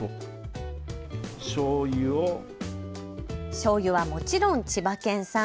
しょうゆはもちろん千葉県産。